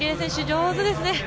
上手ですね。